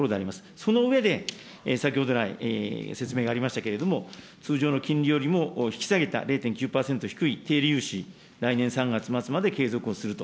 その上で、先ほど来、説明がありましたけれども、通常の金利よりも引き下げた０．９％低い低利融資、来年３月末まで継続をすると。